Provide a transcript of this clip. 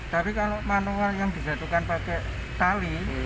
tapi kalau manual yang dijatuhkan pakai tali